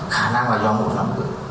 khả năng là do một lắm